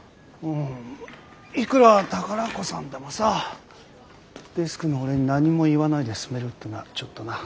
いくら宝子さんでもさデスクの俺に何も言わないで進めるってのはちょっとなあ。